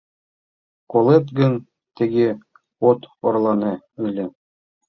Колет гын, тыге от орлане ыле».